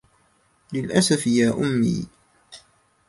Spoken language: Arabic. للاسف يا أمي.